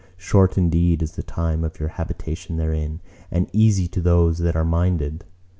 Short indeed is the time of your habitation therein, and easy to those that are minded.